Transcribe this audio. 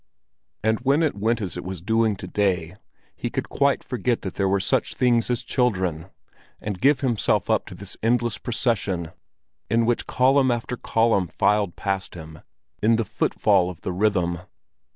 And when it went as it was doing to day, he could quite forget that there were such things as children, and give himself up to this endless procession, in which column after column filed past him, in the foot fall of the rhythm.